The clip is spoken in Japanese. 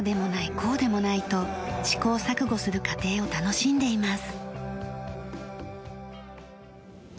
こうでもないと試行錯誤する過程を楽しんでいます。